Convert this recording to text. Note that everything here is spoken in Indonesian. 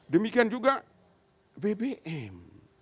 demikian juga bbm